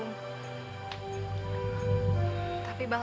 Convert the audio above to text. dan texted dia juga